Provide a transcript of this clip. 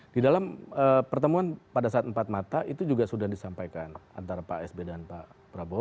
di dalam pertemuan pada saat empat mata itu juga sudah disampaikan antara pak sb dan pak prabowo